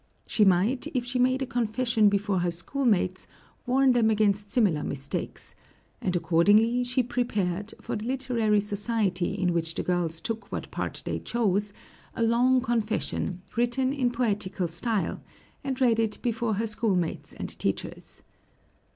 She might, if she made a confession before her schoolmates, warn them against similar mistakes; and accordingly she prepared, for the literary society in which the girls took what part they chose, a long confession, written in poetical style, and read it before her schoolmates and teachers.